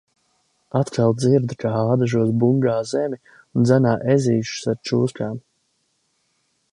Atkal dzirdu, kā Ādažos bungā zemi un dzenā ezīšus ar čūskām.